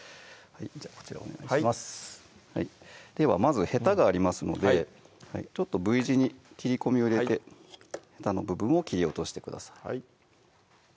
はいではまずヘタがありますのでＶ字に切り込みを入れてヘタの部分を切り落としてください